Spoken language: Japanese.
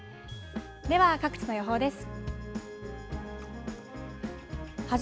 では、各地の予報です。